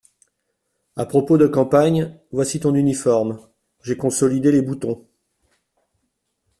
À propos de campagne, voici ton uniforme, j’ai consolidé les boutons…